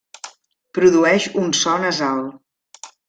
Produeix un so nasal.